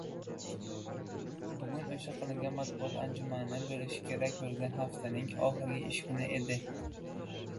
Bugun oʻsha qilingan matbuot anjumani boʻlishi kerak boʻlgan haftaning ohirgi ish kuni edi.